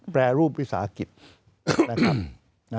แปรรูปวิสาหกิจ